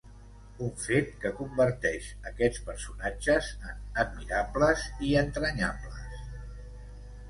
Un fet que converteix aquests personatges en admirables i entranyables.